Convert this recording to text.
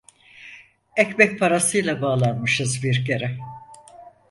Ekmek parasıyla bağlanmışız bir kere!